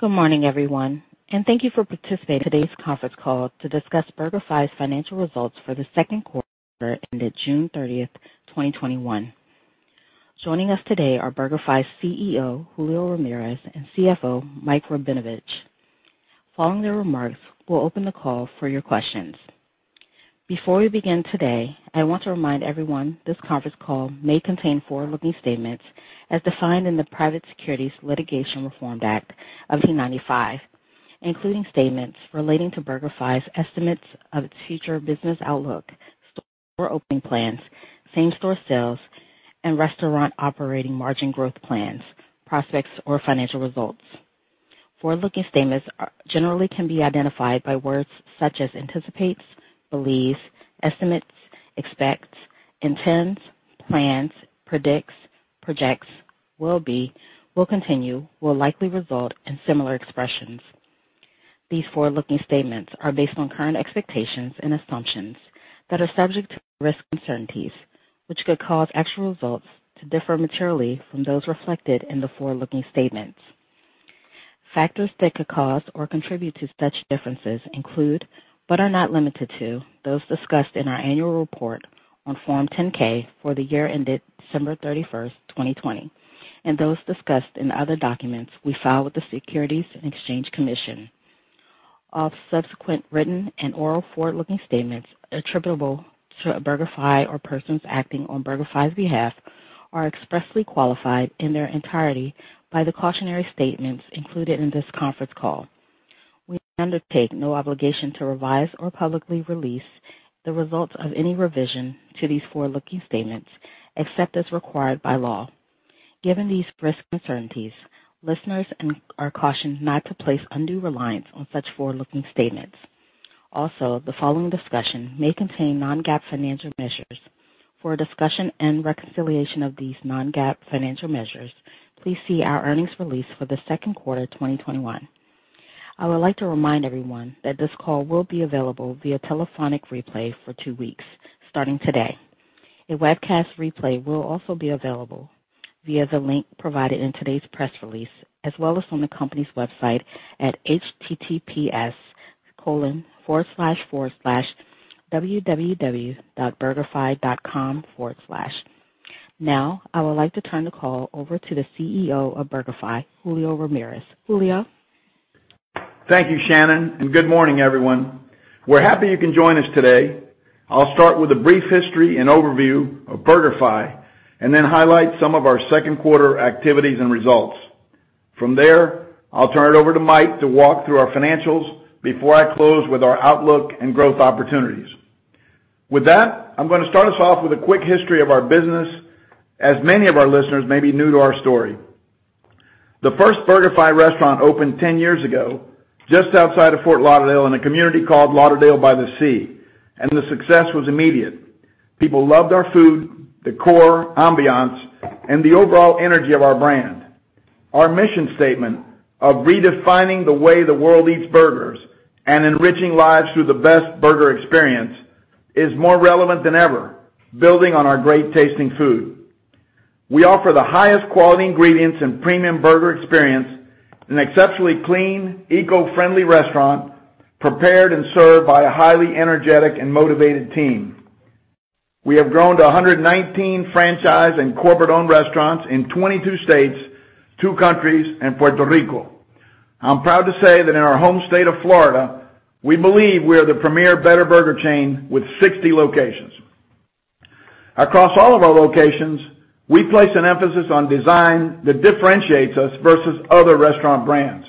Good morning, everyone, and thank you for participating in today's conference call to discuss BurgerFi's Financial Results for the Second Quarter Ended June 30th, 2021. Joining us today are BurgerFi's CEO, Julio Ramirez, and CFO, Michael Rabinovitch. Following their remarks, we'll open the call for your questions. Before we begin today, I want to remind everyone this conference call may contain forward-looking statements as defined in the Private Securities Litigation Reform Act of 1995, including statements relating to BurgerFi's estimates of its future business outlook, store opening plans, same-store sales, and restaurant operating margin growth plans, prospects, or financial results. Forward-looking statements generally can be identified by words such as anticipates, believes, estimates, expects, intends, plans, predicts, projects, will be, will continue, will likely result, and similar expressions. These forward-looking statements are based on current expectations and assumptions that are subject to risks and uncertainties, which could cause actual results to differ materially from those reflected in the forward-looking statements. Factors that could cause or contribute to such differences include, but are not limited to, those discussed in our annual report on Form 10-K for the year ended December 31st, 2020, and those discussed in other documents we file with the Securities and Exchange Commission. All subsequent written and oral forward-looking statements attributable to BurgerFi or persons acting on BurgerFi's behalf are expressly qualified in their entirety by the cautionary statements included in this conference call. We undertake no obligation to revise or publicly release the results of any revision to these forward-looking statements, except as required by law. Given these risks and uncertainties, listeners are cautioned not to place undue reliance on such forward-looking statements. Also, the following discussion may contain non-GAAP financial measures. For a discussion and reconciliation of these non-GAAP financial measures, please see our earnings release for the second quarter 2021. I would like to remind everyone that this call will be available via telephonic replay for two weeks starting today. A webcast replay will also be available via the link provided in today's press release, as well as on the company's website at https://www.burgerfi.com/. I would like to turn the call over to the CEO of BurgerFi, Julio Ramirez. Julio? Thank you, Shannon. Good morning, everyone. We're happy you can join us today. I'll start with a brief history and overview of BurgerFi, and then highlight some of our second quarter activities and results. From there, I'll turn it over to Mike to walk through our financials before I close with our outlook and growth opportunities. With that, I'm going to start us off with a quick history of our business, as many of our listeners may be new to our story. The first BurgerFi restaurant opened 10 years ago, just outside of Fort Lauderdale in a community called Lauderdale-by-the-Sea, and the success was immediate. People loved our food, décor, ambiance, and the overall energy of our brand. Our mission statement of redefining the way the world eats burgers and enriching lives through the best burger experience is more relevant than ever, building on our great-tasting food. We offer the highest quality ingredients and premium burger experience in an exceptionally clean, eco-friendly restaurant prepared and served by a highly energetic and motivated team. We have grown to 119 franchise and corporate-owned restaurants in 22 states, two countries, and Puerto Rico. I'm proud to say that in our home state of Florida, we believe we are the premier better burger chain with 60 locations. Across all of our locations, we place an emphasis on design that differentiates us versus other restaurant brands.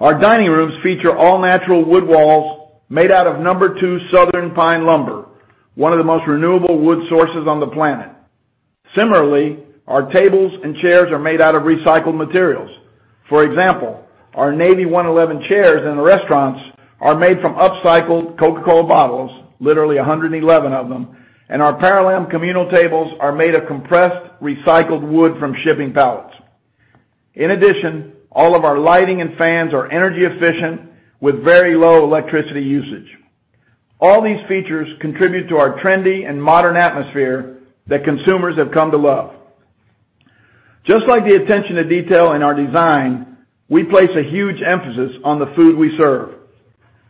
Our dining rooms feature all-natural wood walls made out of number two Southern Pine Lumber, one of the most renewable wood sources on the planet. Similarly, our tables and chairs are made out of recycled materials. For example, our 111 Navy chairs in the restaurants are made from upcycled Coca-Cola bottles, literally 111 of them, and our Parallam communal tables are made of compressed, recycled wood from shipping pallets. In addition, all of our lighting and fans are energy efficient with very low electricity usage. All these features contribute to our trendy and modern atmosphere that consumers have come to love. Just like the attention to detail in our design, we place a huge emphasis on the food we serve.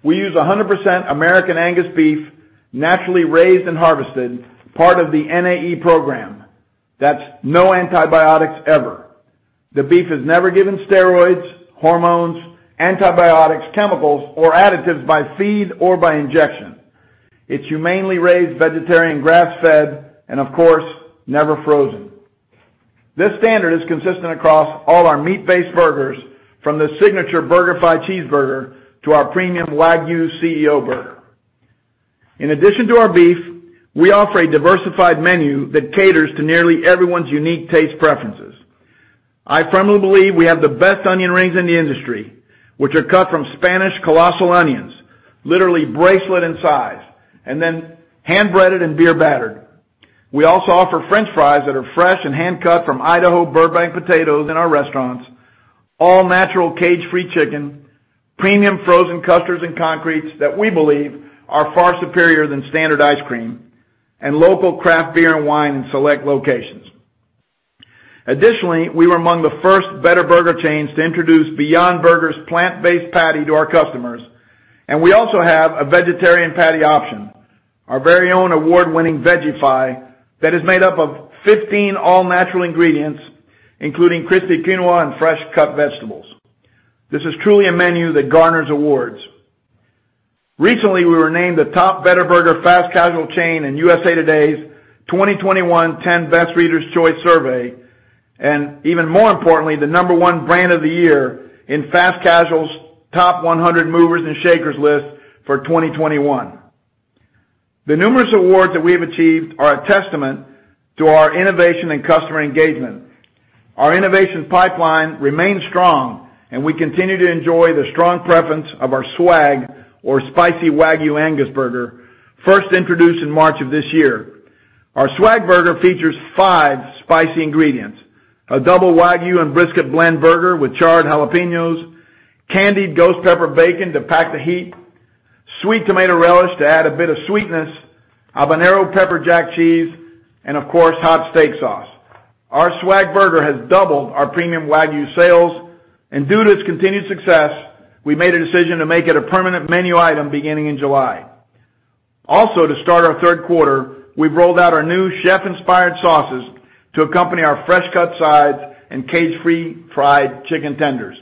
We use 100% American Angus beef, naturally raised and harvested, part of the NAE program. That's No Antibiotics Ever. The beef is never given steroids, hormones, antibiotics, chemicals, or additives by feed or by injection. It's humanely raised, vegetarian grass-fed, and of course, never frozen. This standard is consistent across all our meat-based burgers, from the signature BurgerFi Cheeseburger to our premium Wagyu CEO Burger. In addition to our beef, we offer a diversified menu that caters to nearly everyone's unique taste preferences. I firmly believe we have the best onion rings in the industry, which are cut from Spanish colossal onions, literally bracelet in size, and then hand-breaded and beer battered. We also offer french fries that are fresh and hand-cut from Idaho Russet Burbank potatoes in our restaurants. All-natural cage-free chicken, premium frozen custards and concretes that we believe are far superior than standard ice cream, and local craft beer and wine in select locations. We were among the first Better Burger chains to introduce Beyond Burger's plant-based patty to our customers, and we also have a vegetarian patty option, our very own award-winning VegeFi that is made up of 15 all-natural ingredients, including crispy quinoa and fresh cut vegetables. This is truly a menu that garners awards. Recently, we were named the top Better Burger fast casual chain in USA Today's 2021 10Best Readers' Choice Survey, and even more importantly, the number one brand of the year in Fast Casual's Top 100 Movers and Shakers list for 2021. The numerous awards that we have achieved are a testament to our innovation and customer engagement. Our innovation pipeline remains strong, and we continue to enjoy the strong preference of our SWAG, or Spicy Wagyu Burger, first introduced in March of this year. Our SWAG Burger features five spicy ingredients, a double Wagyu and brisket blend burger with charred jalapenos, candied ghost pepper bacon to pack the heat, sweet tomato relish to add a bit of sweetness, habanero pepper jack cheese, and of course, hot steak sauce. Our SWAG Burger has doubled our premium Wagyu sales. Due to its continued success, we made a decision to make it a permanent menu item beginning in July. To start our third quarter, we've rolled out our new chef-inspired sauces to accompany our fresh-cut sides and cage-free fried chicken tenders.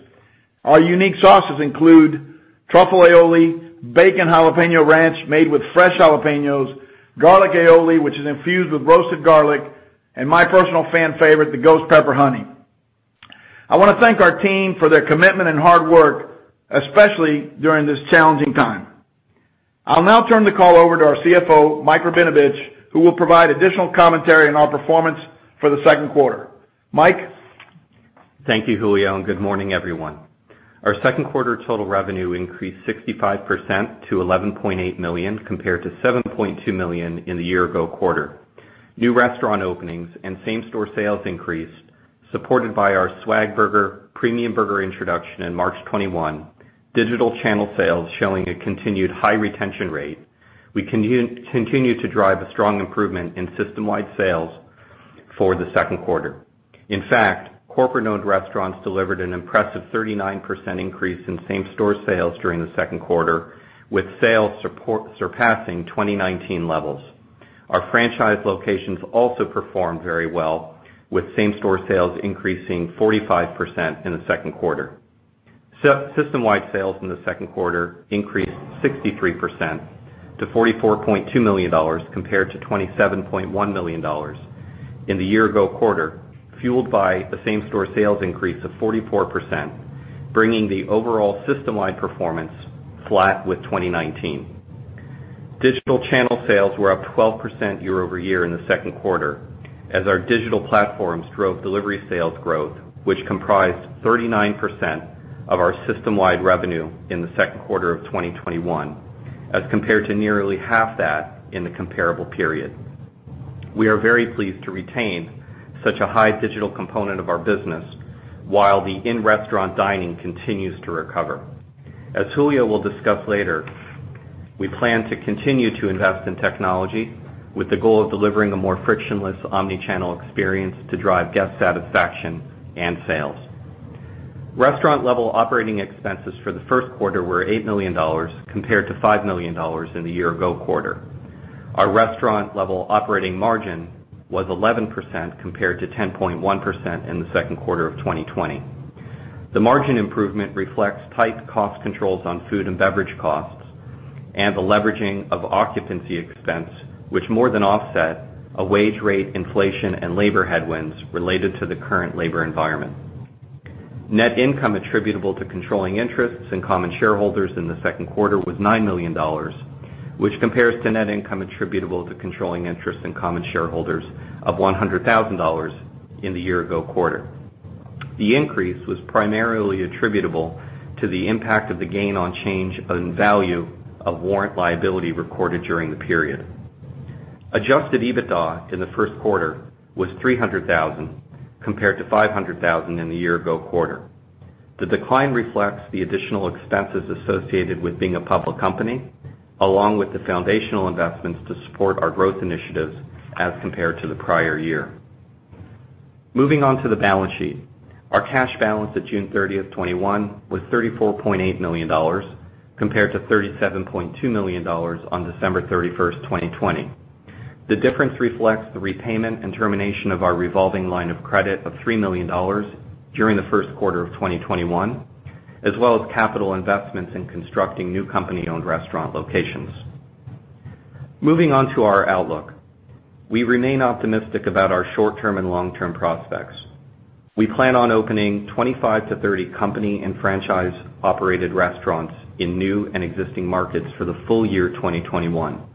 Our unique sauces include truffle aioli, bacon jalapeno ranch made with fresh jalapenos, garlic aioli, which is infused with roasted garlic, and my personal fan favorite, the ghost pepper honey. I want to thank our team for their commitment and hard work, especially during this challenging time. I'll now turn the call over to our CFO, Michael Rabinovitch, who will provide additional commentary on our performance for the second quarter. Mike? Thank you, Julio, and good morning, everyone. Our second quarter total revenue increased 65% to $11.8 million, compared to $7.2 million in the year-ago quarter. New restaurant openings and same-store sales increased, supported by our SWAG Burger premium burger introduction in March 2021, digital channel sales showing a continued high retention rate. We continue to drive a strong improvement in system-wide sales for the second quarter. In fact, corporate-owned restaurants delivered an impressive 39% increase in same-store sales during the second quarter, with sales surpassing 2019 levels. Our franchise locations also performed very well, with same-store sales increasing 45% in the second quarter. System-wide sales in the second quarter increased 63% to $44.2 million compared to $27.1 million in the year-ago quarter, fueled by a same-store sales increase of 44%, bringing the overall system-wide performance flat with 2019. Digital channel sales were up 12% year-over-year in the second quarter, as our digital platforms drove delivery sales growth, which comprised 39% of our system-wide revenue in the second quarter of 2021, as compared to nearly half that in the comparable period. We are very pleased to retain such a high digital component of our business while the in-restaurant dining continues to recover. As Julio will discuss later, we plan to continue to invest in technology with the goal of delivering a more frictionless omni-channel experience to drive guest satisfaction and sales. Restaurant level operating expenses for the first quarter were $8 million compared to $5 million in the year ago quarter. Our restaurant level operating margin was 11% compared to 10.1% in the second quarter of 2020. The margin improvement reflects tight cost controls on food and beverage costs and the leveraging of occupancy expense, which more than offset a wage rate inflation and labor headwinds related to the current labor environment. Net income attributable to controlling interests and common shareholders in the second quarter was $9 million, which compares to net income attributable to controlling interests in common shareholders of $100,000 in the year ago quarter. The increase was primarily attributable to the impact of the gain on change in value of warrant liability recorded during the period. Adjusted EBITDA in the first quarter was $300,000, compared to $500,000 in the year ago quarter. The decline reflects the additional expenses associated with being a public company, along with the foundational investments to support our growth initiatives as compared to the prior year. Moving on to the balance sheet. Our cash balance at June 30th, 2021 was $34.8 million, compared to $37.2 million on December 31st, 2020. The difference reflects the repayment and termination of our revolving line of credit of $3 million during the first quarter of 2021, as well as capital investments in constructing new company-owned restaurant locations. Moving on to our outlook. We remain optimistic about our short-term and long-term prospects. We plan on opening 25-30 company and franchise operated restaurants in new and existing markets for the full year 2021.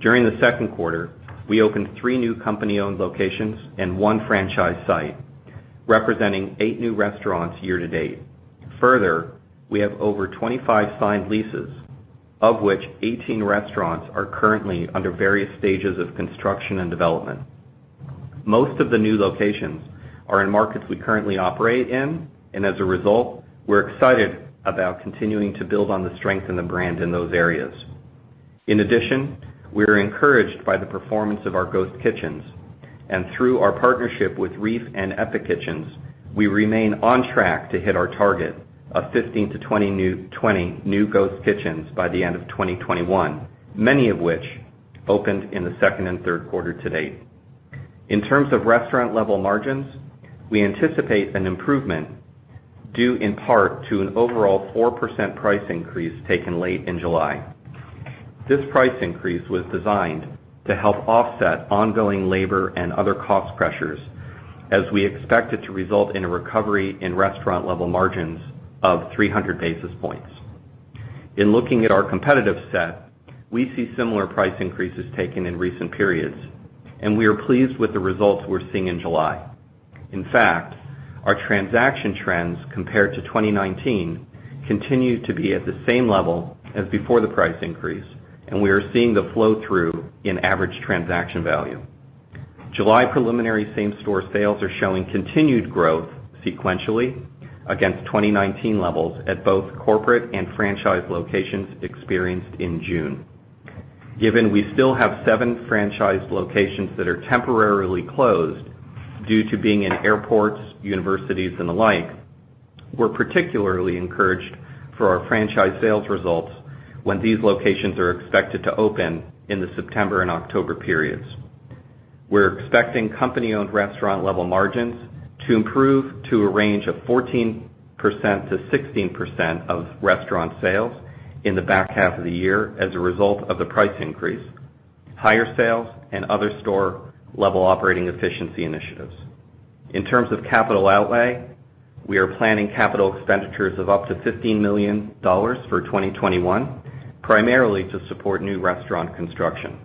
During the second quarter, we opened three new company-owned locations and one franchise site, representing eight new restaurants year to date. Further, we have over 25 signed leases, of which 18 restaurants are currently under various stages of construction and development. Most of the new locations are in markets we currently operate in, and as a result, we're excited about continuing to build on the strength in the brand in those areas. In addition, we are encouraged by the performance of our ghost kitchens, and through our partnership with REEF and Epic Kitchens, we remain on track to hit our target of 15-20 new ghost kitchens by the end of 2021, many of which opened in the second and third quarter to date. In terms of restaurant-level margins, we anticipate an improvement due in part to an overall 4% price increase taken late in July. This price increase was designed to help offset ongoing labor and other cost pressures as we expect it to result in a recovery in restaurant-level margins of 300 basis points. In looking at our competitive set, we see similar price increases taken in recent periods, and we are pleased with the results we're seeing in July. In fact, our transaction trends compared to 2019 continue to be at the same level as before the price increase, and we are seeing the flow-through in average transaction value. July preliminary same-store sales are showing continued growth sequentially against 2019 levels at both corporate and franchise locations experienced in June. Given we still have seven franchise locations that are temporarily closed due to being in airports, universities and the like, we're particularly encouraged for our franchise sales results when these locations are expected to open in the September and October periods. We're expecting company-owned restaurant level margins to improve to a range of 14%-16% of restaurant sales in the back half of the year as a result of the price increase, higher sales and other store-level operating efficiency initiatives. In terms of capital outlay, we are planning capital expenditures of up to $15 million for 2021, primarily to support new restaurant construction.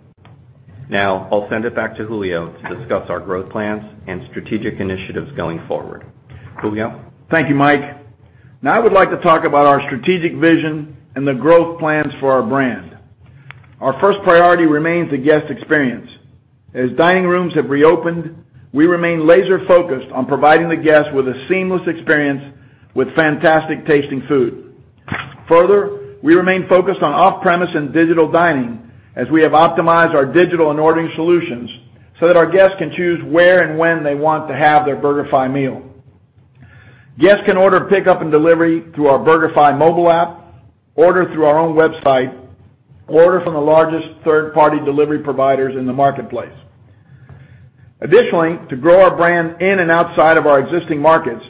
Now, I'll send it back to Julio to discuss our growth plans and strategic initiatives going forward. Julio? Thank you, Mike. Now I would like to talk about our strategic vision and the growth plans for our brand. Our first priority remains the guest experience. As dining rooms have reopened, we remain laser-focused on providing the guests with a seamless experience with fantastic tasting food. Further, we remain focused on off-premise and digital dining as we have optimized our digital and ordering solutions so that our guests can choose where and when they want to have their BurgerFi meal. Guests can order pickup and delivery through our BurgerFi mobile app, order through our own website, or order from the largest third-party delivery providers in the marketplace. Additionally, to grow our brand in and outside of our existing markets,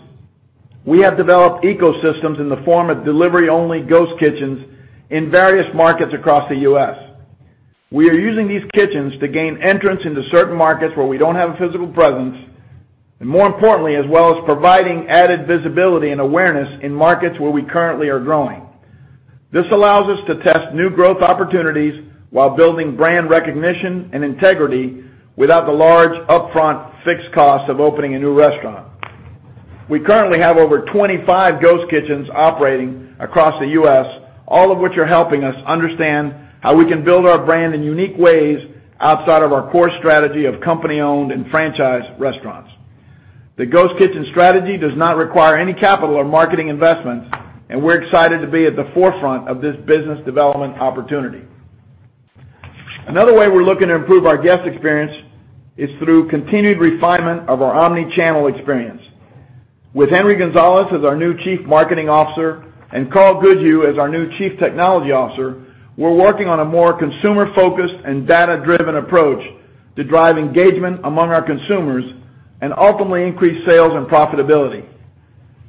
we have developed ecosystems in the form of delivery-only ghost kitchens in various markets across the U.S. We are using these kitchens to gain entrance into certain markets where we don't have a physical presence, and more importantly, as well as providing added visibility and awareness in markets where we currently are growing. This allows us to test new growth opportunities while building brand recognition and integrity without the large upfront fixed cost of opening a new restaurant. We currently have over 25 ghost kitchens operating across the U.S., all of which are helping us understand how we can build our brand in unique ways outside of our core strategy of company-owned and franchised restaurants. The ghost kitchen strategy does not require any capital or marketing investments, and we're excited to be at the forefront of this business development opportunity. Another way we're looking to improve our guest experience is through continued refinement of our omni-channel experience. With Henry Gonzalez as our new Chief Marketing Officer and Karl Goodhew as our new Chief Technology Officer, we're working on a more consumer-focused and data-driven approach to drive engagement among our consumers and ultimately increase sales and profitability.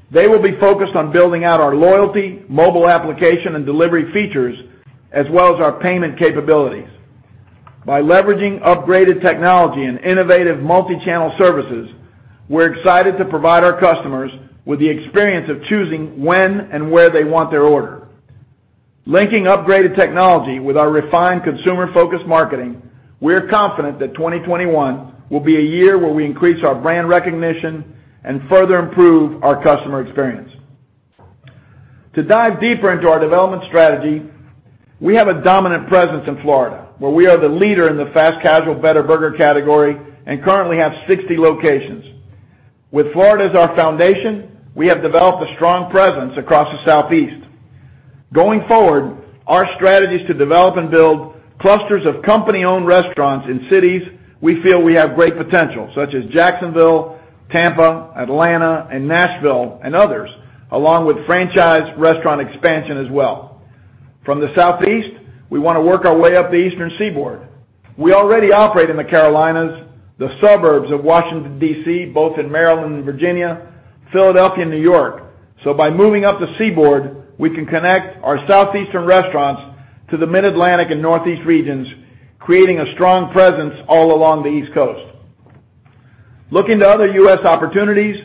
They will be focused on building out our loyalty, mobile application and delivery features, as well as our payment capabilities. By leveraging upgraded technology and innovative multi-channel services, we're excited to provide our customers with the experience of choosing when and where they want their order. Linking upgraded technology with our refined consumer-focused marketing, we're confident that 2021 will be a year where we increase our brand recognition and further improve our customer experience. To dive deeper into our development strategy, we have a dominant presence in Florida, where we are the leader in the fast casual better burger category and currently have 60 locations. With Florida as our foundation, we have developed a strong presence across the Southeast. Going forward, our strategy is to develop and build clusters of company-owned restaurants in cities we feel we have great potential, such as Jacksonville, Tampa, Atlanta, and Nashville, and others, along with franchise restaurant expansion as well. From the Southeast, we want to work our way up the Eastern Seaboard. We already operate in the Carolinas, the suburbs of Washington, D.C., both in Maryland and Virginia, Philadelphia, and New York. By moving up the Seaboard, we can connect our Southeastern restaurants to the Mid-Atlantic and Northeast regions, creating a strong presence all along the East Coast. Looking to other U.S. opportunities,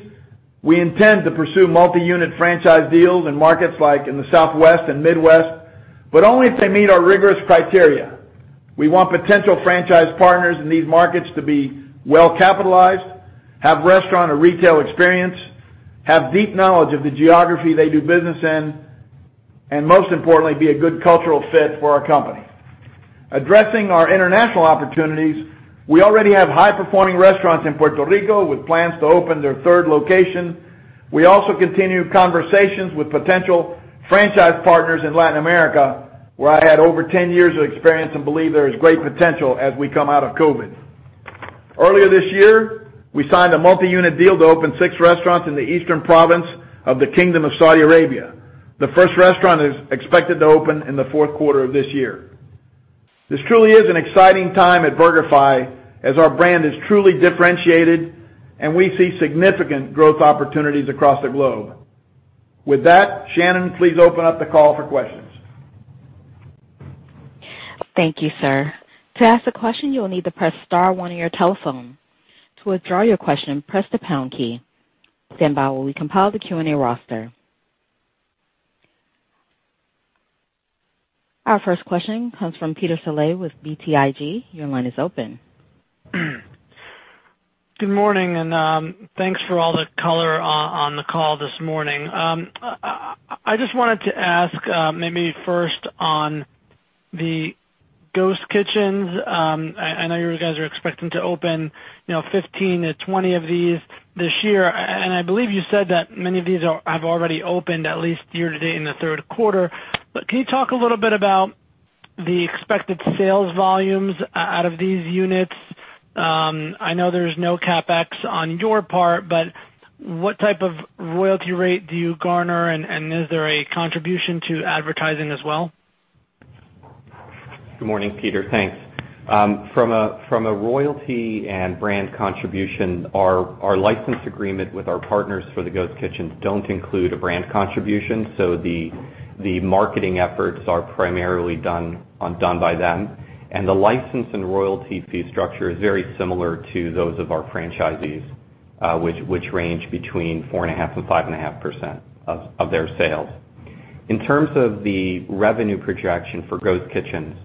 we intend to pursue multi-unit franchise deals in markets like in the Southwest and Midwest, only if they meet our rigorous criteria. We want potential franchise partners in these markets to be well-capitalized, have restaurant or retail experience, have deep knowledge of the geography they do business in, and most importantly, be a good cultural fit for our company. Addressing our international opportunities, we already have high-performing restaurants in Puerto Rico with plans to open their third location. We also continue conversations with potential franchise partners in Latin America, where I had over 10 years of experience and believe there is great potential as we come out of COVID. Earlier this year, we signed a multi-unit deal to open six restaurants in the eastern province of the Kingdom of Saudi Arabia. The first restaurant is expected to open in the fourth quarter of this year. This truly is an exciting time at BurgerFi, as our brand is truly differentiated and we see significant growth opportunities across the globe. With that, Shannon, please open up the call for questions. Thank you, sir. To ask a question, you will need to press star one on your telephone. To withdraw your question, press the pound key. Stand by while we compile the Q&A roster. Our first question comes from Peter Saleh with BTIG. Your line is open. Good morning, and thanks for all the color on the call this morning. I just wanted to ask, maybe first on the ghost kitchens. I know you guys are expecting to open 15 -20 of these this year, and I believe you said that many of these have already opened at least year to date in the third quarter. Can you talk a little bit about the expected sales volumes out of these units? I know there's no CapEx on your part, but what type of royalty rate do you garner, and is there a contribution to advertising as well? Good morning, Peter. Thanks. From a royalty and brand contribution, our license agreement with our partners for the ghost kitchens doesn't include a brand contribution, so the marketing efforts are primarily done by them. The license and royalty fee structure is very similar to those of our franchisees, which range between 4.5%-5.5% of their sales. In terms of the revenue projection for ghost kitchens,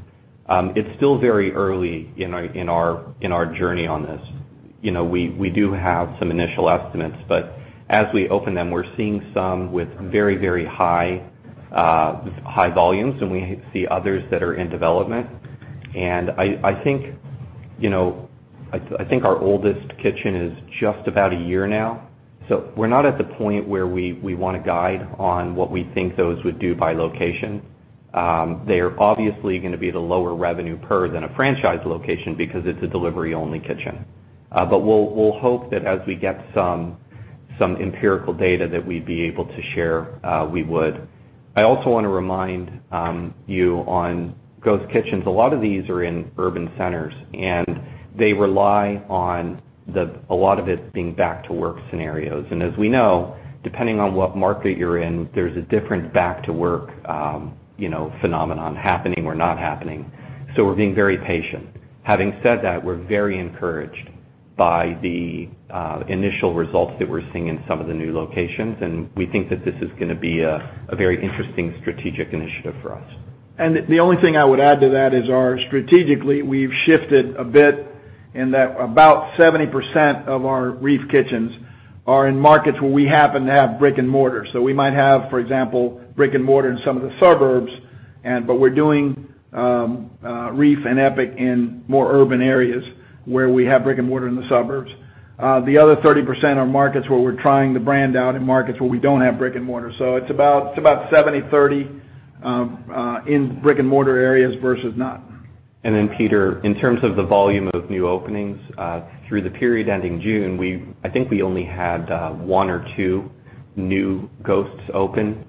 it's still very early in our journey on this. We do have some initial estimates, but as we open them, we're seeing some with very high volumes, and we see others that are in development. I think our oldest kitchen is just about one year now, so we're not at the point where we want to guide on what we think those would do by location. They're obviously going to be at a lower revenue per than a franchise location because it's a delivery-only kitchen. We'll hope that as we get some empirical data that we'd be able to share, we would. I also want to remind you on ghost kitchens, a lot of these are in urban centers, and they rely on a lot of it being back to work scenarios. As we know, depending on what market you're in, there's a different back to work phenomenon happening or not happening. We're being very patient. Having said that, we're very encouraged by the initial results that we're seeing in some of the new locations, and we think that this is going to be a very interesting strategic initiative for us. The only thing I would add to that is strategically, we've shifted a bit in that about 70% of our REEF kitchens are in markets where we happen to have brick and mortar. We might have, for example, brick and mortar in some of the suburbs, but we're doing REEF and Epic in more urban areas where we have brick and mortar in the suburbs. The other 30% are markets where we're trying the brand out in markets where we don't have brick and mortar. It's about 70/30 in brick and mortar areas versus not. Peter, in terms of the volume of new openings, through the period ending June, I think we only had one or two new ghosts open.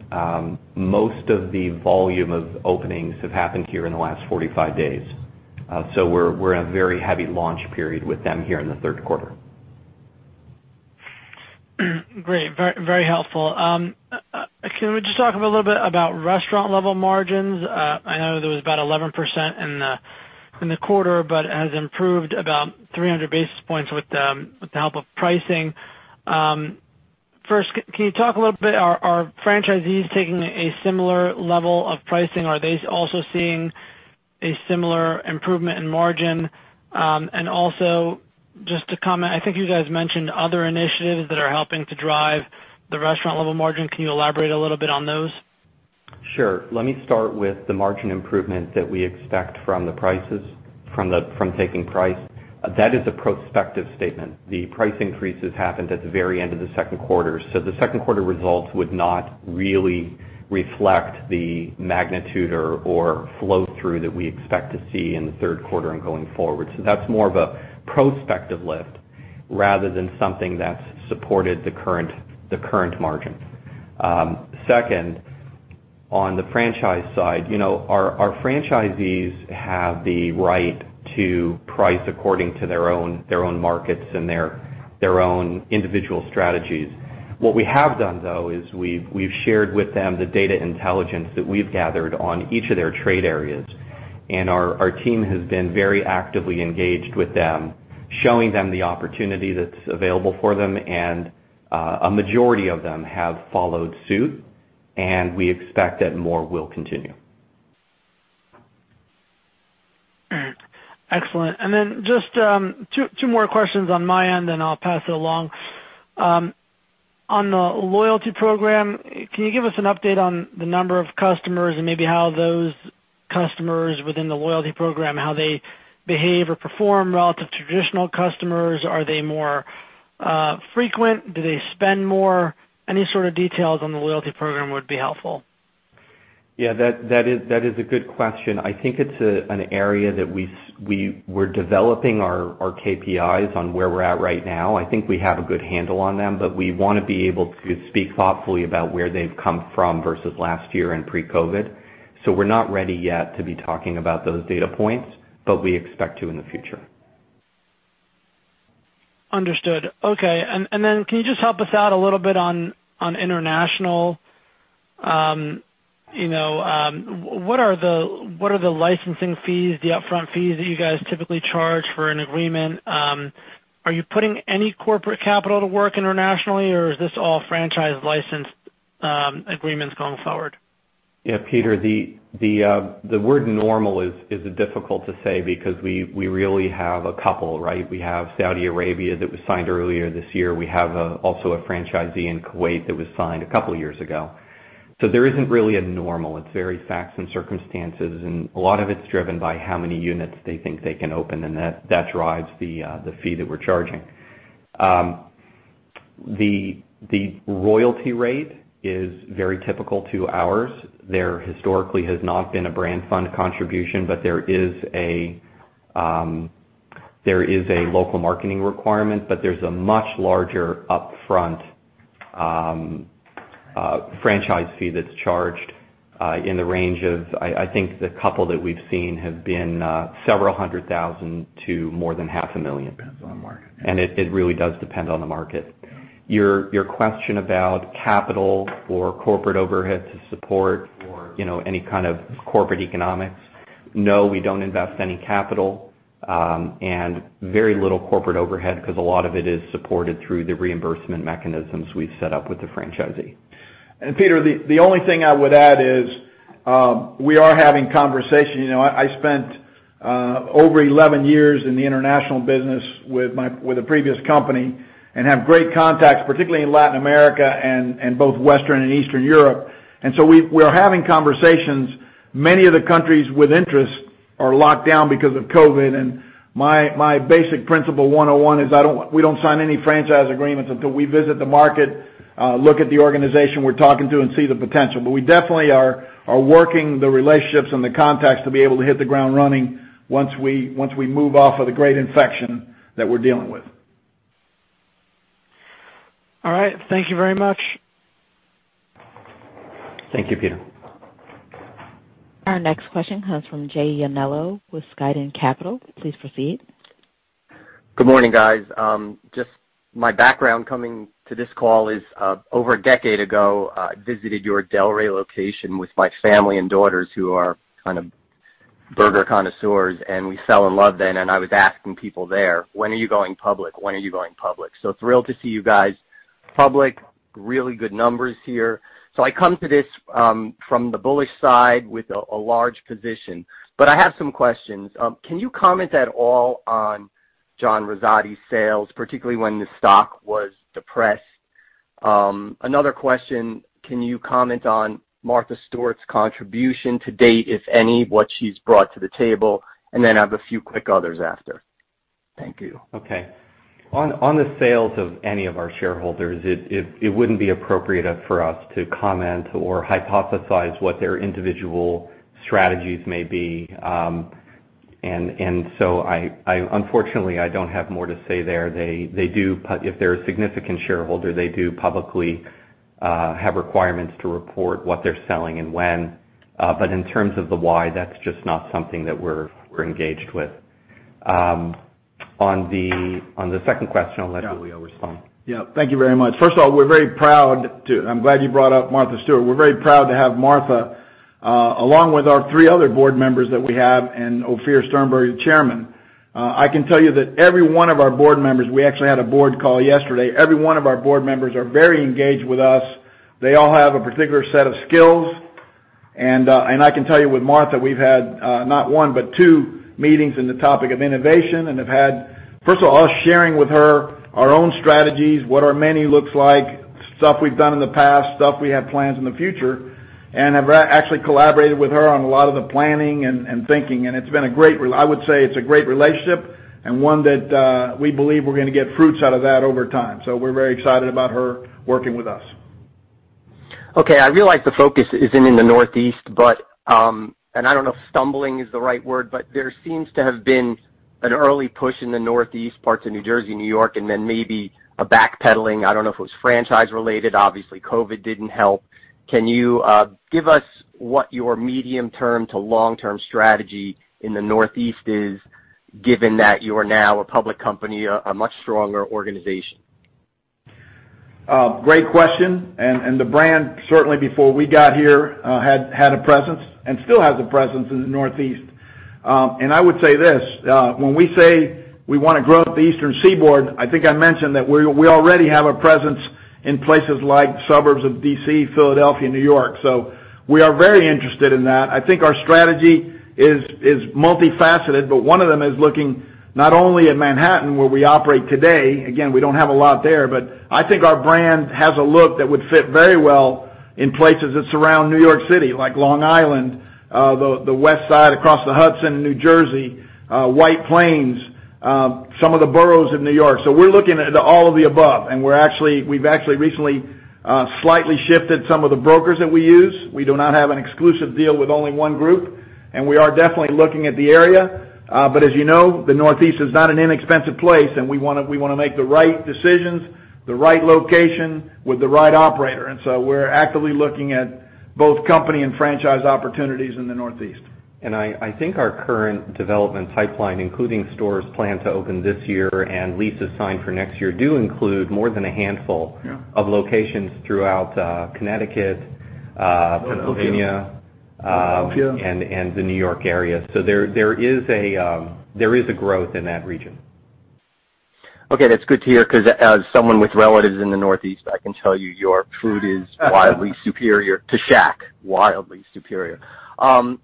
Most of the volume of openings have happened here in the last 45 days. We're in a very heavy launch period with them here in the third quarter. Great. Very helpful. Can we just talk a little bit about restaurant level margins? I know there was about 11% in the quarter, it has improved about 300 basis points with the help of pricing. First, can you talk a little bit, are franchisees taking a similar level of pricing? Are they also seeing a similar improvement in margin? Also just to comment, I think you guys mentioned other initiatives that are helping to drive the restaurant level margin. Can you elaborate a little bit on those? Sure. Let me start with the margin improvement that we expect from the prices, from taking price. That is a prospective statement. The price increases happened at the very end of the second quarter. The second quarter results would not really reflect the magnitude or flow-through that we expect to see in the third quarter and going forward. That's more of a prospective lift rather than something that's supported the current margin. Second, on the franchise side, our franchisees have the right to price according to their own markets and their own individual strategies. What we have done though, is we've shared with them the data intelligence that we've gathered on each of their trade areas, and our team has been very actively engaged with them, showing them the opportunity that's available for them, and a majority of them have followed suit, and we expect that more will continue. Excellent. Just two more questions on my end, and I'll pass it along. On the loyalty program, can you give us an update on the number of customers and maybe how those customers within the loyalty program, how they behave or perform relative to traditional customers? Are they more frequent? Do they spend more? Any sort of details on the loyalty program would be helpful. Yeah, that is a good question. I think it's an area that we're developing our KPIs on where we're at right now. I think we have a good handle on them, but we want to be able to speak thoughtfully about where they've come from versus last year and pre-COVID. We're not ready yet to be talking about those data points, but we expect to in the future. Understood. Okay. Can you just help us out a little bit on international? What are the licensing fees, the upfront fees that you guys typically charge for an agreement? Are you putting any corporate capital to work internationally, or is this all franchise license agreements going forward? Peter, the word normal is difficult to say because we really have a couple, right? We have Saudi Arabia that was signed earlier this year. We have also a franchisee in Kuwait that was signed a couple of years ago. There isn't really a normal, it's very facts and circumstances, and a lot of it's driven by how many units they think they can open, and that drives the fee that we're charging. The royalty rate is very typical to ours. There historically has not been a brand fund contribution. There is a local marketing requirement, but there's a much larger upfront franchise fee that's charged, in the range of, I think the couple that we've seen have been several hundred thousand to more than half a million. Depends on the market. It really does depend on the market. Your question about capital or corporate overhead to support or any kind of corporate economics, no, we don't invest any capital, and very little corporate overhead because a lot of it is supported through the reimbursement mechanisms we've set up with the franchisee. Peter, the only thing I would add is, we are having conversation. I spent over 11 years in the international business with a previous company and have great contacts, particularly in Latin America and both Western and Eastern Europe. We are having conversations. Many of the countries with interest are locked down because of COVID, and my basic principle 101 is we don't sign any franchise agreements until we visit the market, look at the organization we're talking to, and see the potential. We definitely are working the relationships and the contacts to be able to hit the ground running once we move off of the great infection that we're dealing with. All right. Thank you very much. Thank you, Peter. Our next question comes from Jay Yanello with Skyden Capital. Please proceed. Good morning, guys. Just my background coming to this call is, over a decade ago, I visited your Delray location with my family and daughters who are kind of burger connoisseurs, and we fell in love then, and I was asking people there, "When are you going public? When are you going public?" Thrilled to see you guys public. Really good numbers here. I come to this from the bullish side with a large position. I have some questions. Can you comment at all on John Rosatti's sales, particularly when the stock was depressed? Another question, can you comment on Martha Stewart's contribution to date, if any, what she's brought to the table? I have a few quick others after. Thank you. Okay. On the sales of any of our shareholders, it wouldn't be appropriate for us to comment or hypothesize what their individual strategies may be. Unfortunately, I don't have more to say there. If they're a significant shareholder, they do publicly have requirements to report what they're selling and when. In terms of the why, that's just not something that we're engaged with. On the second question, I'll let Julio respond. Yeah. Thank you very much. First of all, I'm glad you brought up Martha Stewart. We're very proud to have Martha, along with our three other board members that we have, and Ophir Sternberg, the chairman. I can tell you that every one of our board members, we actually had a board call yesterday. Every one of our board members are very engaged with us. They all have a particular set of skills. I can tell you with Martha, we've had not one but two meetings in the topic of innovation and have had, first of all, us sharing with her our own strategies, what our menu looks like, stuff we've done in the past, stuff we have planned in the future, and have actually collaborated with her on a lot of the planning and thinking. I would say it's a great relationship and one that we believe we're going to get fruits out of that over time. We're very excited about her working with us. Okay. I realize the focus isn't in the Northeast, but, and I don't know if stumbling is the right word, but there seems to have been an early push in the Northeast parts of New Jersey, New York, and then maybe a backpedaling. I don't know if it was franchise related. Obviously, COVID didn't help. Can you give us what your medium term to long term strategy in the Northeast is given that you are now a public company, a much stronger organization? Great question. The brand, certainly before we got here, had a presence and still has a presence in the Northeast. And I would say this, when we say we want to grow at the Eastern Seaboard, I think I mentioned that we already have a presence in places like suburbs of D.C., Philadelphia, New York. We are very interested in that. I think our strategy is multifaceted, but one of them is looking not only at Manhattan where we operate today, again, we don't have a lot there, but I think our brand has a look that would fit very well in places that surround New York City, like Long Island, the West Side across the Hudson, New Jersey, White Plains, some of the boroughs of New York. We're looking at all of the above, and we've actually recently slightly shifted some of the brokers that we use. We do not have an exclusive deal with only one group. We are definitely looking at the area. As you know, the Northeast is not an inexpensive place. We want to make the right decisions, the right location with the right operator. We are actively looking at both company and franchise opportunities in the Northeast. I think our current development pipeline, including stores planned to open this year and leases signed for next year, do include more than a handful. Yeah Of locations throughout Connecticut, Pennsylvania- Philadelphia The New York area. There is a growth in that region. That's good to hear because as someone with relatives in the Northeast, I can tell you your food is wildly superior to Shake Shack, wildly superior. Julio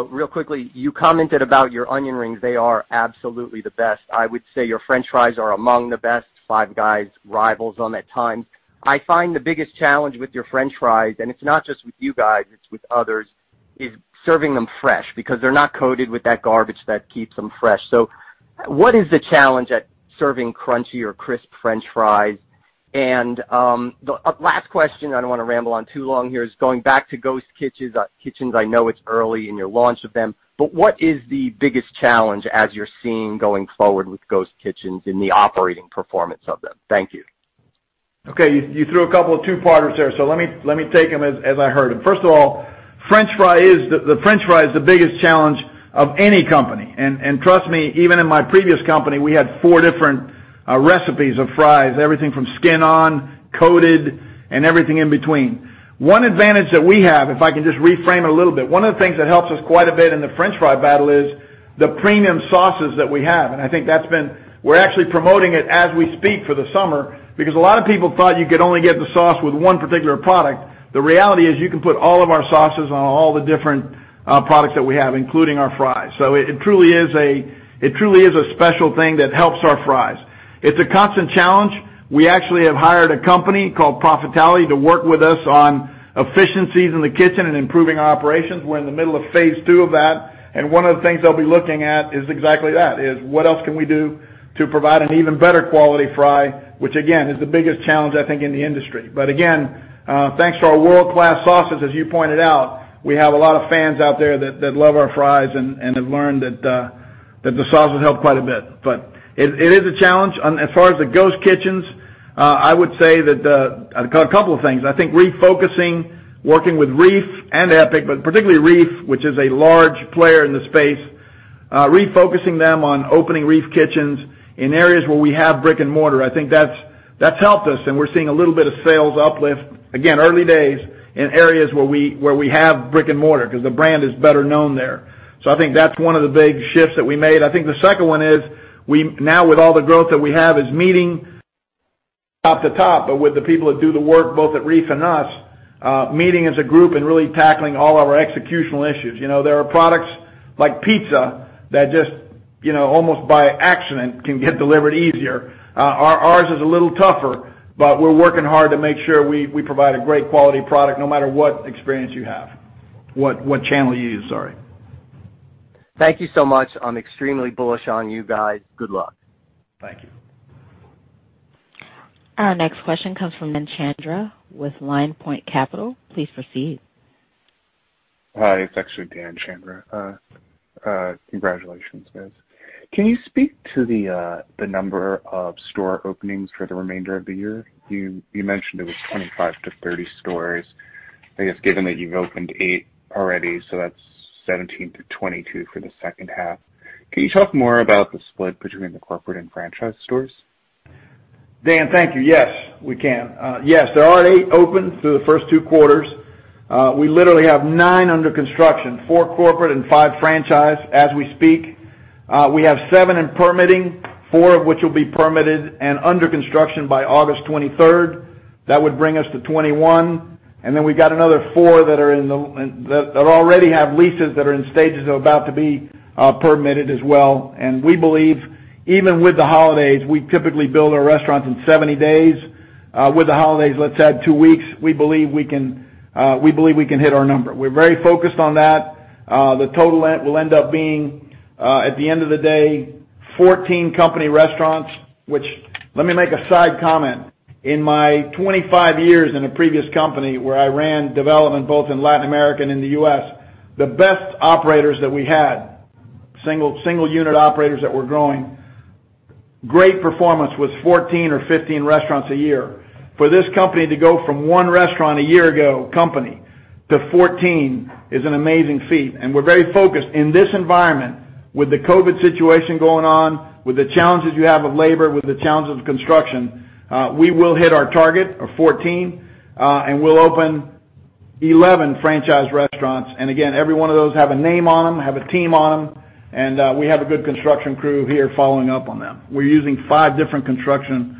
Ramirez, real quickly, you commented about your onion rings. They are absolutely the best. I would say your french fries are among the best, Five Guys rivals at times. I find the biggest challenge with your french fries, and it's not just with you guys, it's with others, is serving them fresh because they're not coated with that garbage that keeps them fresh. What is the challenge at serving crunchy or crisp french fries? The last question, I don't want to ramble on too long here, is going back to ghost kitchens. I know it's early in your launch of them, but what is the biggest challenge as you're seeing going forward with ghost kitchens in the operating performance of them? Thank you. Okay. You threw a couple of two-parters there. Let me take them as I heard them. First of all, the french fry is the biggest challenge of any company. Trust me, even in my previous company, we had four different recipes of fries, everything from skin on, coated, and everything in between. One advantage that we have, if I can just reframe it a little bit, one of the things that helps us quite a bit in the french fry battle is the premium sauces that we have. I think we're actually promoting it as we speak for the summer because a lot of people thought you could only get the sauce with one particular product. The reality is you can put all of our sauces on all the different products that we have, including our fries. It truly is a special thing that helps our fries. It's a constant challenge. We actually have hired a company called Profitality to work with us on efficiencies in the kitchen and improving our operations. We're in the middle of phase two of that, and one of the things they'll be looking at is exactly that, is what else can we do to provide an even better quality fry, which again, is the biggest challenge I think in the industry. Again, thanks to our world-class sauces, as you pointed out, we have a lot of fans out there that love our fries and have learned that the sauces help quite a bit. It is a challenge. As far as the ghost kitchens, I would say that a couple of things, I think refocusing, working with REEF and Epic, but particularly REEF, which is a large player in the space, refocusing them on opening REEF kitchens in areas where we have brick and mortar. I think that's helped us, and we're seeing a little bit of sales uplift, again, early days, in areas where we have brick and mortar because the brand is better known there. I think that's one of the big shifts that we made. I think the second one is now with all the growth that we have is meeting top to top, but with the people that do the work, both at REEF and us, meeting as a group and really tackling all our executional issues. There are products like pizza that just almost by accident can get delivered easier. Ours is a little tougher, but we're working hard to make sure we provide a great quality product no matter what experience you have. What channel you use, sorry. Thank you so much. I'm extremely bullish on you guys. Good luck. Thank you. Our next question comes from Dan Chandra with Lion Point Capital. Please proceed. Hi, it's actually Dan Chandra. Congratulations, guys. Can you speak to the number of store openings for the remainder of the year? You mentioned it was 25-30 stores. I guess given that you've opened eight already, that's 17-22 for the second half. Can you talk more about the split between the corporate and franchise stores? Dan, thank you. Yes, we can. Yes, there are 8 open through the first two quarters. We literally have nine under construction, four corporate and five franchise as we speak. We have seven in permitting, four of which will be permitted and under construction by August 23rd. That would bring us to 21. Then we've got another four that already have leases that are in stages that are about to be permitted as well. We believe even with the holidays, we typically build our restaurants in 70 days. With the holidays, let's add two weeks. We believe we can hit our number. We're very focused on that. The total will end up being, at the end of the day, 14 company restaurants, which let me make a side comment. In my 25 years in a previous company where I ran development both in Latin America and in the U.S., the best operators that we had, single unit operators that were growing, great performance was 14 or 15 restaurants a year. For this company to go from one restaurant a year ago company to 14 is an amazing feat, and we're very focused in this environment with the COVID situation going on, with the challenges you have of labor, with the challenges of construction, we will hit our target of 14, and we'll open 11 franchise restaurants. Again, every one of those have a name on them, have a team on them, and we have a good construction crew here following up on them. We're using five different construction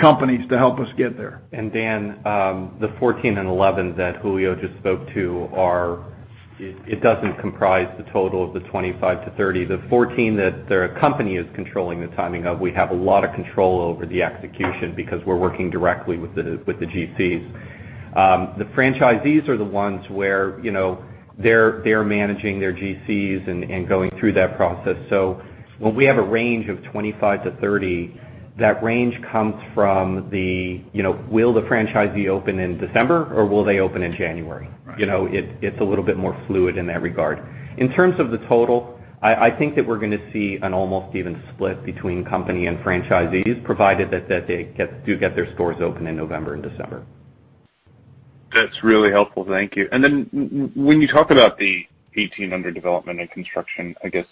companies to help us get there. Dan, the 14 and 11 that Julio just spoke to, it doesn't comprise the total of the 25-30. The 14 that their company is controlling the timing of, we have a lot of control over the execution because we're working directly with the GCs. The franchisees are the ones where they're managing their GCs and going through that process. When we have a range of 25-30, that range comes from the, will the franchisee open in December or will they open in January? It's a little bit more fluid in that regard. In terms of the total, I think that we're going to see an almost even split between company and franchisees, provided that they do get their stores open in November and December. That's really helpful. Thank you. When you talk about the 18 under development and construction, I guess,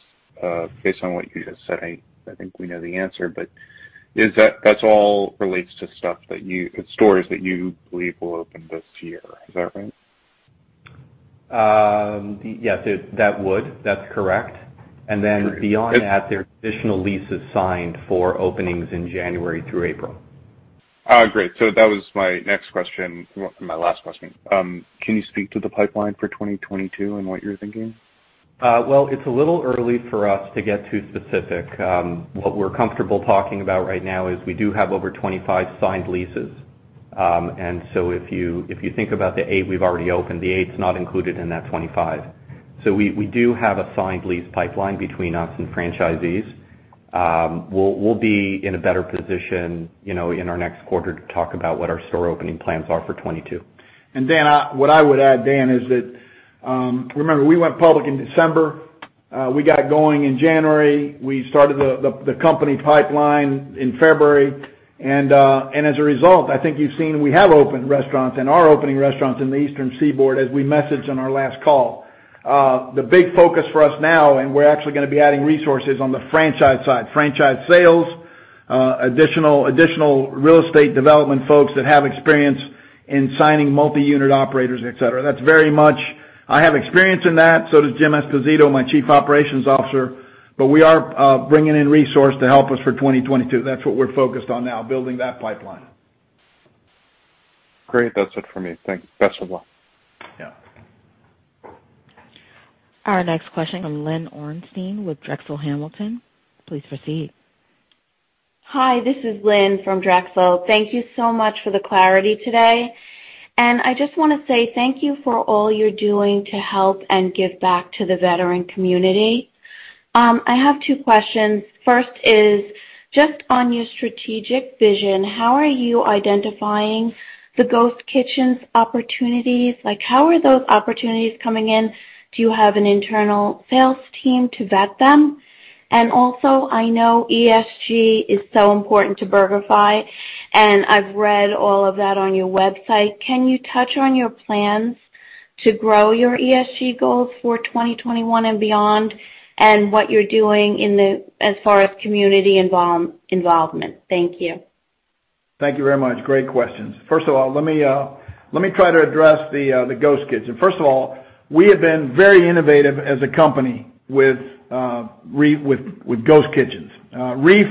based on what you just said, I think we know the answer, but that all relates to stores that you believe will open this year. Is that right? Yes, that's correct. Great. Beyond that, there are additional leases signed for openings in January through April. Great. That was my next question. My last question. Can you speak to the pipeline for 2022 and what you're thinking? It's a little early for us to get too specific. What we're comfortable talking about right now is we do have over 25 signed leases. If you think about the eight we've already opened, the eight is not included in that 25. We do have a signed lease pipeline between us and franchisees. We'll be in a better position in our next quarter to talk about what our store opening plans are for 2022. What I would add, Dan, is that, remember, we went public in December. We got going in January. We started the company pipeline in February, and as a result, I think you've seen we have opened restaurants and are opening restaurants in the Eastern Seaboard, as we messaged on our last call. The big focus for us now, and we're actually going to be adding resources on the franchise side, franchise sales, additional real estate development folks that have experience in signing multi-unit operators, et cetera. I have experience in that, so does Jim Esposito, my Chief Operating Officer. We are bringing in resource to help us for 2022. That's what we're focused on now, building that pipeline. Great. That's it for me. Thank you. Best of luck. Yeah. Our next question from Lynn Orenstein with Drexel Hamilton. Please proceed. Hi, this is Lynn from Drexel. Thank you so much for the clarity today, and I just want to say thank you for all you're doing to help and give back to the veteran community. I have two questions. First is just on your strategic vision, how are you identifying the ghost kitchens opportunities? How are those opportunities coming in? Do you have an internal sales team to vet them? Also, I know ESG is so important to BurgerFi, and I've read all of that on your website. Can you touch on your plans to grow your ESG goals for 2021 and beyond, and what you're doing as far as community involvement? Thank you. Thank you very much. Great questions. First of all, let me try to address the ghost kitchen. First of all, we have been very innovative as a company with ghost kitchens. REEF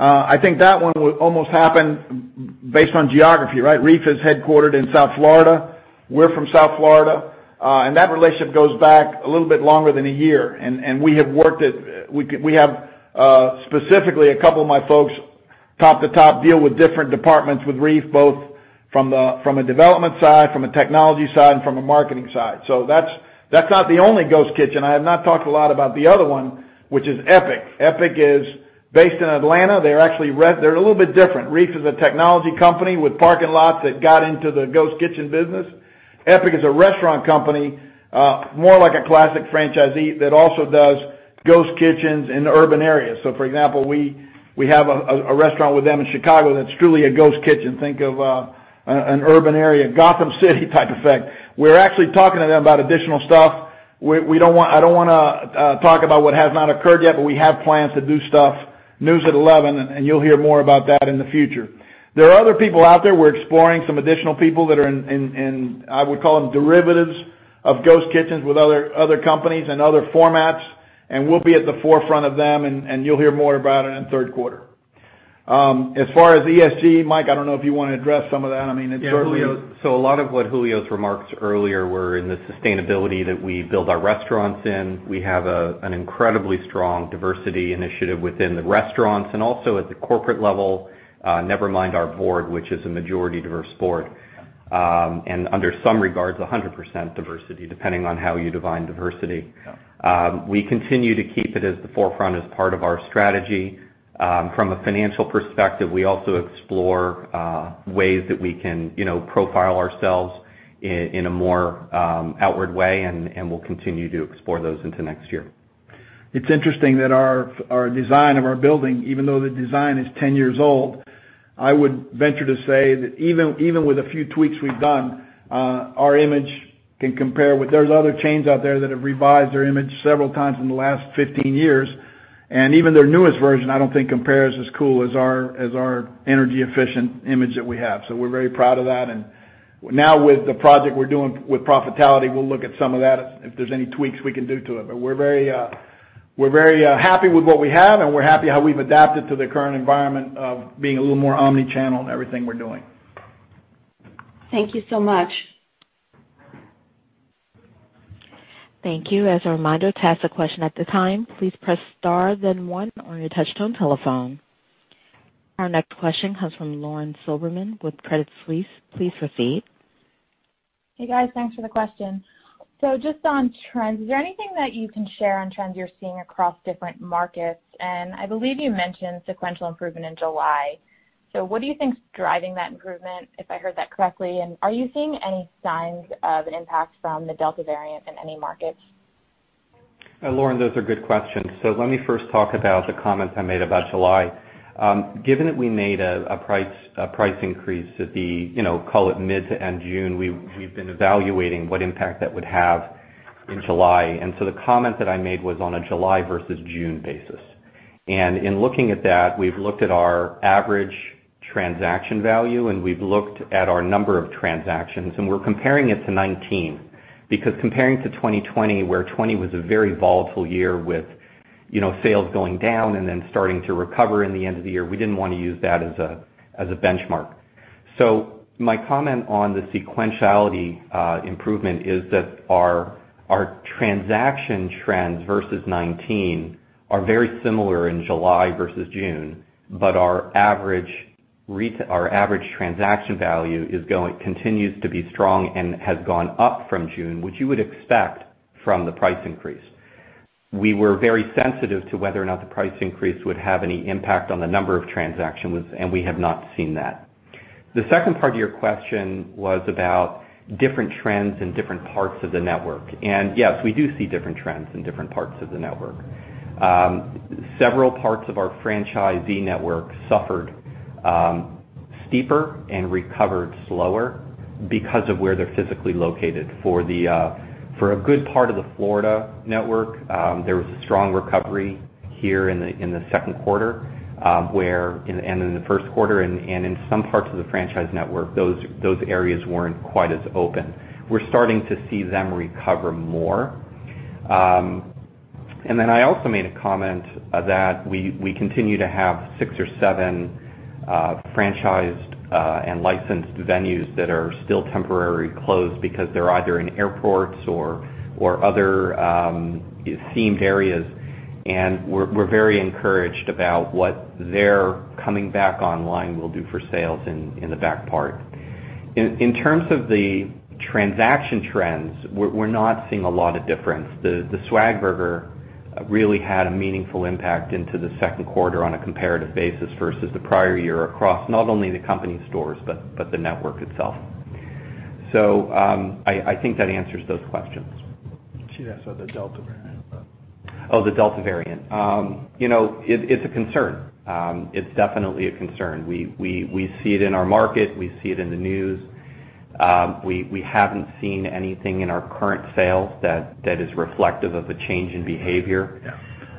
I think that one almost happened based on geography, right? REEF is headquartered in South Florida. We're from South Florida. That relationship goes back a little bit longer than a year, and we have specifically, a couple of my folks top to top deal with different departments with REEF, both from a development side, from a technology side, and from a marketing side. That's not the only ghost kitchen. I have not talked a lot about the other one, which is Epic. Epic is based in Atlanta. They're a little bit different. REEF is a technology company with parking lots that got into the ghost kitchen business. Epic is a restaurant company, more like a classic franchisee that also does ghost kitchens in urban areas. For example, we have a restaurant with them in Chicago that's truly a ghost kitchen. Think of an urban area, Gotham City type effect. We're actually talking to them about additional stuff. I don't want to talk about what has not occurred yet, but we have plans to do stuff, news at 11, and you'll hear more about that in the future. There are other people out there. We're exploring some additional people that are in, I would call them derivatives of ghost kitchens with other companies and other formats, and we'll be at the forefront of them, and you'll hear more about it in the third quarter. As far as ESG, Mike, I don't know if you want to address some of that. Yeah. A lot of what Julio's remarks earlier were in the sustainability that we build our restaurants in. We have an incredibly strong diversity initiative within the restaurants and also at the corporate level, never mind our board, which is a majority diverse board. Yeah. Under some regards, 100% diversity, depending on how you define diversity. Yeah. We continue to keep it at the forefront as part of our strategy. From a financial perspective, we also explore ways that we can profile ourselves in a more outward way, and we'll continue to explore those into next year. It's interesting that our design of our building, even though the design is 10 years old, I would venture to say that even with the few tweaks we've done, our image can compare with other chains out there that have revised their image several times in the last 15 years. Even their newest version, I don't think compares as cool as our energy efficient image that we have. We're very proud of that. Now with the project we're doing with Profitality, we'll look at some of that if there's any tweaks we can do to it. We're very happy with what we have, and we're happy how we've adapted to the current environment of being a little more omni-channel in everything we're doing. Thank you so much. Thank you. As a reminder, to ask a question at the time, please press star then one on your touch-tone telephone. Our next question comes from Lauren Silberman with Credit Suisse. Please proceed. Hey, guys. Thanks for the question. Just on trends, is there anything that you can share on trends you're seeing across different markets? I believe you mentioned sequential improvement in July. What do you think is driving that improvement, if I heard that correctly? Are you seeing any signs of impact from the Delta variant in any markets? Lauren, those are good questions. Let me first talk about the comments I made about July. Given that we made a price increase at the, call it mid to end June, we've been evaluating what impact that would have in July. The comment that I made was on a July versus June basis. In looking at that, we've looked at our average transaction value, and we've looked at our number of transactions, and we're comparing it to 2019. Because comparing to 2020, where 2020 was a very volatile year with sales going down and then starting to recover in the end of the year, we didn't want to use that as a benchmark. My comment on the sequentiality improvement is that our transaction trends versus '19 are very similar in July versus June, but our average transaction value continues to be strong and has gone up from June, which you would expect from the price increase. We were very sensitive to whether or not the price increase would have any impact on the number of transactions, and we have not seen that. The second part of your question was about different trends in different parts of the network. Yes, we do see different trends in different parts of the network. Several parts of our franchisee network suffered steeper and recovered slower because of where they're physically located. For a good part of the Florida network, there was a strong recovery here in the second quarter, and in the first quarter, and in some parts of the franchise network, those areas weren't quite as open. We're starting to see them recover more. I also made a comment that we continue to have six or seven franchised and licensed venues that are still temporarily closed because they're either in airports or other themed areas, and we're very encouraged about what their coming back online will do for sales in the back part. In terms of the transaction trends, we're not seeing a lot of difference. The SWAG Burger really had a meaningful impact into the second quarter on a comparative basis versus the prior year across not only the company stores, but the network itself. I think that answers those questions. She asked about the Delta variant. The Delta variant. It's a concern. It's definitely a concern. We see it in our market. We see it in the news. We haven't seen anything in our current sales that is reflective of a change in behavior.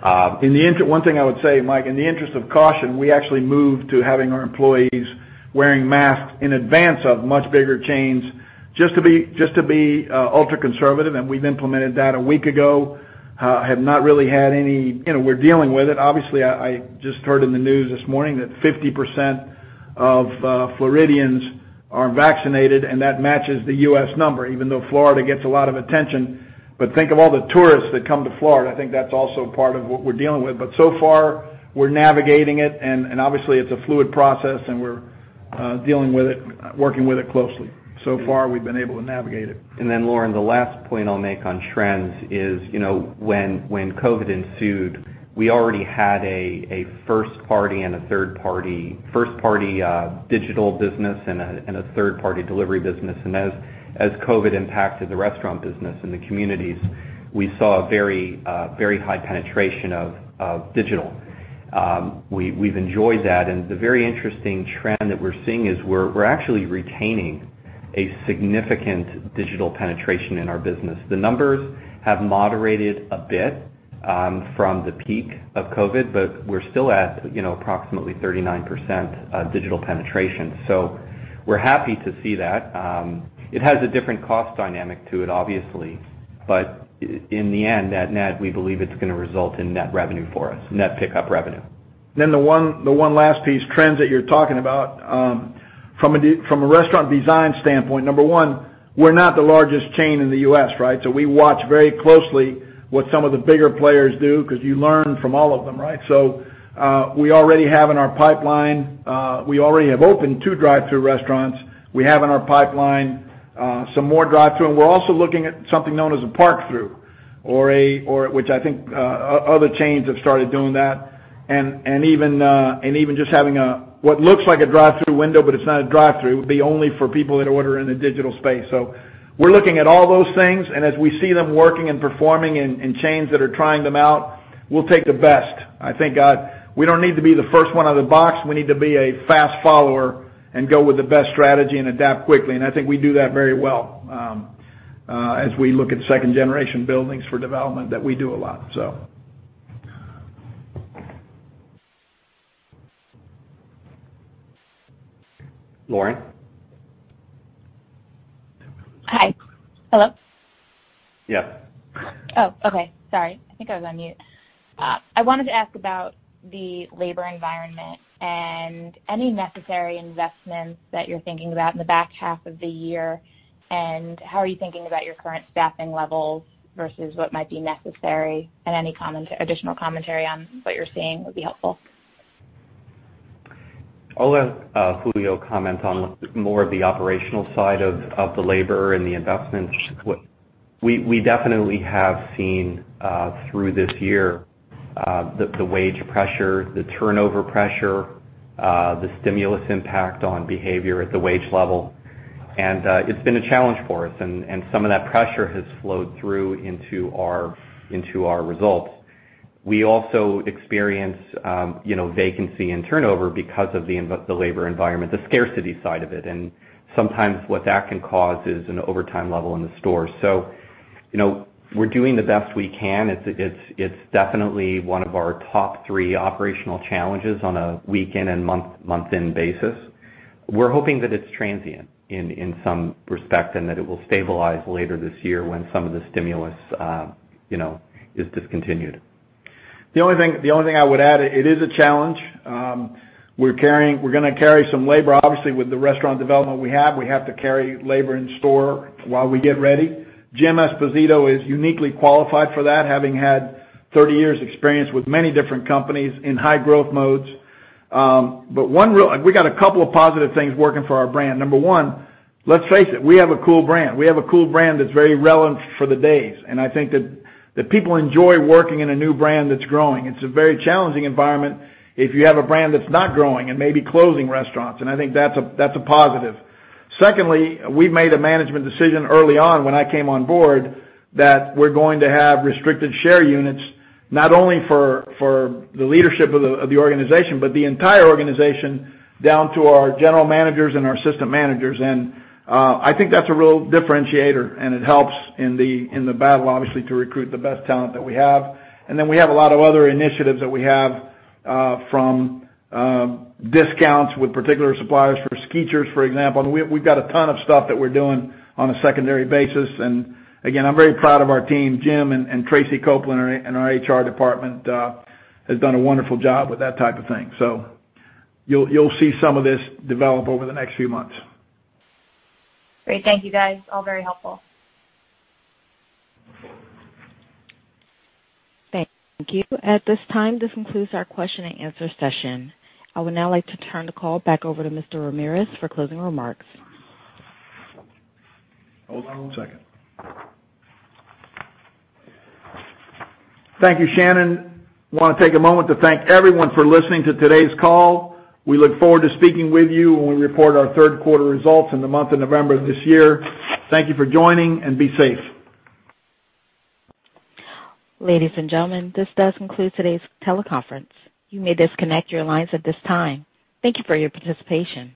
One thing I would say, Mike, in the interest of caution, we actually moved to having our employees wearing masks in advance of much bigger chains just to be ultra-conservative, and we've implemented that a week ago. We have not really had any. We're dealing with it. Obviously, I just heard in the news this morning that 50% of Floridians are vaccinated, and that matches the U.S. number, even though Florida gets a lot of attention. Think of all the tourists that come to Florida. I think that's also part of what we're dealing with. So far, we're navigating it, and obviously, it's a fluid process, and we're dealing with it, working with it closely. So far, we've been able to navigate it. Lauren, the last point I'll make on trends is, when COVID ensued, we already had a first party digital business and a third party delivery business. As COVID impacted the restaurant business and the communities, we saw a very high penetration of digital. We've enjoyed that, and the very interesting trend that we're seeing is we're actually retaining a significant digital penetration in our business. The numbers have moderated a bit from the peak of COVID, but we're still at approximately 39% digital penetration. We're happy to see that. It has a different cost dynamic to it, obviously. In the end, at net, we believe it's going to result in net revenue for us, net pickup revenue. The one last piece, trends that you're talking about. From a restaurant design standpoint, number one, we're not the largest chain in the U.S., right? We watch very closely what some of the bigger players do because you learn from all of them, right? We already have in our pipeline-- we already have opened two drive-thru restaurants. We have in our pipeline some more drive-thru, and we're also looking at something known as a park-thru, which I think other chains have started doing that. Even just having what looks like a drive-thru window, but it's not a drive-thru. It would be only for people that order in the digital space. We're looking at all those things, and as we see them working and performing in chains that are trying them out, we'll take the best. I think we don't need to be the first one out of the box. We need to be a fast follower and go with the best strategy and adapt quickly. I think we do that very well. As we look at second-generation buildings for development that we do a lot. Lauren? Hi. Hello? Yeah. Oh, okay. Sorry. I think I was on mute. I wanted to ask about the labor environment and any necessary investments that you're thinking about in the back half of the year, and how are you thinking about your current staffing levels versus what might be necessary, and any additional commentary on what you're seeing would be helpful. I'll let Julio comment on more of the operational side of the labor and the investments. We definitely have seen through this year, the wage pressure, the turnover pressure, the stimulus impact on behavior at the wage level. And it's been a challenge for us, and some of that pressure has flowed through into our results. We also experience vacancy and turnover because of the labor environment, the scarcity side of it. And sometimes what that can cause is an overtime level in the store. So, we're doing the best we can. It's definitely one of our top three operational challenges on a week in and month in basis. We're hoping that it's transient in some respect, and that it will stabilize later this year when some of the stimulus is discontinued. The only thing I would add, it is a challenge. We're going to carry some labor. Obviously, with the restaurant development we have, we have to carry labor in store while we get ready. Jim Esposito is uniquely qualified for that, having had 30 years experience with many different companies in high growth modes. We got a couple of positive things working for our brand. Number one, let's face it, we have a cool brand. We have a cool brand that's very relevant for the days. I think that people enjoy working in a new brand that's growing. It's a very challenging environment if you have a brand that's not growing and may be closing restaurants, and I think that's a positive. We made a management decision early on when I came on board that we're going to have restricted share units, not only for the leadership of the organization, but the entire organization down to our general managers and our assistant managers. I think that's a real differentiator, and it helps in the battle, obviously, to recruit the best talent that we have. We have a lot of other initiatives that we have from discounts with particular suppliers for SKECHERS, for example. We've got a ton of stuff that we're doing on a secondary basis. I'm very proud of our team. Jim and Traci Copeland and our HR department has done a wonderful job with that type of thing. You'll see some of this develop over the next few months. Great. Thank you, guys. All very helpful. Thank you. At this time, this concludes our question and answer session. I would now like to turn the call back over to Mr. Ramirez for closing remarks. Hold on one second. Thank you, Shannon. We want to take a moment to thank everyone for listening to today's call. We look forward to speaking with you when we report our third quarter results in the month of November this year. Thank you for joining, and be safe. Ladies and gentlemen, this does conclude today's teleconference. You may disconnect your lines at this time. Thank you for your participation.